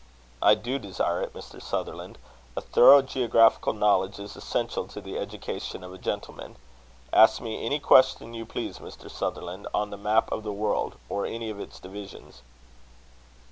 "I do desire it, Mr. Sutherland. A thorough geographical knowledge is essential to the education of a gentleman. Ask me any question you please, Mr. Sutherland, on the map of the world, or any of its divisions."